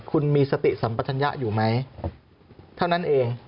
คุณมีสติสัมปชัญญะอยู่ไหมเท่านั้นเอง